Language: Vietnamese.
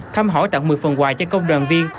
thăm hỏi tặng một mươi phần quà cho công đoàn viên